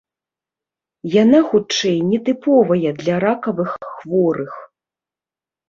Яна хутчэй не тыповая для ракавых хворых.